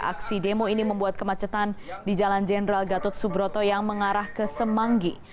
aksi demo ini membuat kemacetan di jalan jenderal gatot subroto yang mengarah ke semanggi